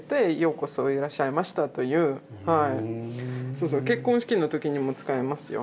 そうそう結婚式の時にも使いますよ。